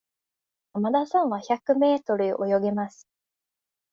山田さんは百メートル泳げます。